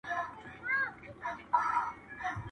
• له سر تر نوکه بس ګلدسته یې -